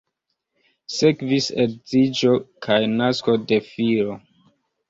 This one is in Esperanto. Sekvis edziĝo kaj nasko de filo.